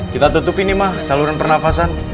kita tutupin nih mah saluran pernafasan